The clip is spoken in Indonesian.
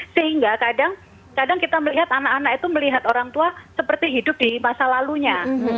sehingga kadang kadang kita melihat anak anak itu melihat orang tua seperti hidup di masa lalunya